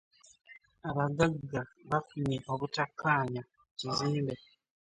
Abagagga bafunye obutakkanya ku kizimbe.